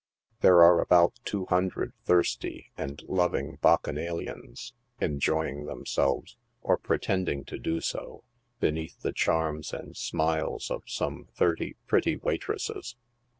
There are about two hundred thirsty and loving bacchanalians enjoying themselves, or pretending to do so, beneath the charms and smiles of some thirty " pretty waitresses."